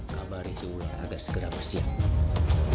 kabar isi ulang agar segera bersiap